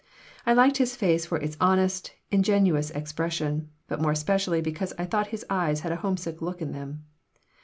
I liked his face for its honest, ingenuous expression, but more especially because I thought his eyes had a homesick look in them.